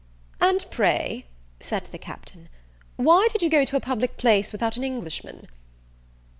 "And pray," said the Captain, "why did you go to a public place without an Englishman?"